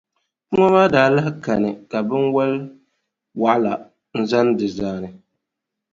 Puma maa daa lahi kani ka binwalʼ waɣila n-zani di zaani.